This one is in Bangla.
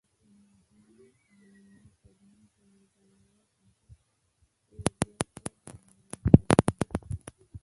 মহা আমিনের প্রধান কার্যালয় বসত পূর্ব বাংলার ঢাকা শহরে।